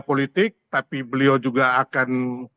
politik tapi beliau juga akan